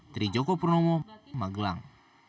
dari joko purnomo magelang